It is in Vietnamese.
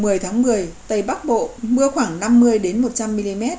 ngày một mươi tháng một mươi tây bắc bộ mưa khoảng năm mươi một trăm linh mm